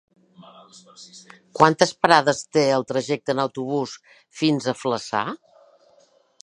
Quantes parades té el trajecte en autobús fins a Flaçà?